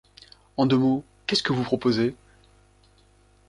En deux mots, qu'est-ce que vous proposez ?